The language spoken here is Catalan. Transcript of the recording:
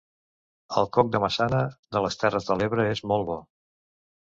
El coc de maçana de les terres de l'Ebre és molt bo